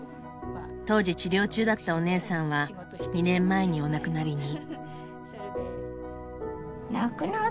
当時治療中だったお姉さんは２年前にお亡くなりに。